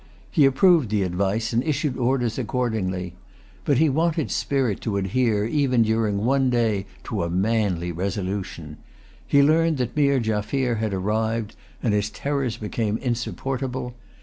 He approved the advice, and issued orders accordingly. But he wanted spirit to adhere even during one day to a manly resolution. He learned that Meer Jaffier had arrived, and his terrors became insupportable.